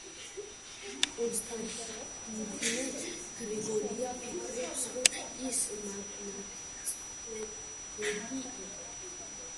კონსტანტინე გრიგოლია ფიქრობს, რომ ის მაწყვერელი იყო.